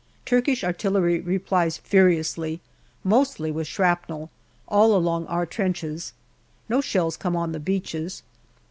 Turkish artillery replies furiously, mostly with shrapnel, all along our trenches. No shells come on the beaches.